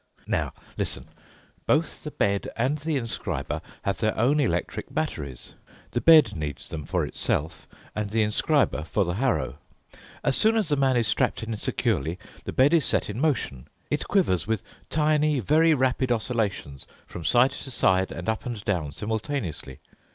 "Now, listen. Both the bed and the inscriber have their own electric batteries. The bed needs them for itself, and the inscriber for the harrow. As soon as the man is strapped in securely, the bed is set in motion. It quivers with tiny, very rapid oscillations from side to side and up and down simultaneously.